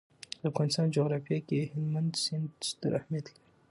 د افغانستان جغرافیه کې هلمند سیند ستر اهمیت لري.